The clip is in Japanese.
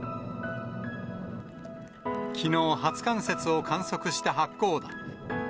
きのう初冠雪を観測した八甲田。